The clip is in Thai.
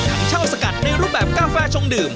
เช่าสกัดในรูปแบบกาแฟชงดื่ม